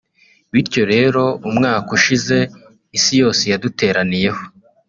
Bityo rero umwaka ushize isi yose yaduteraniyeho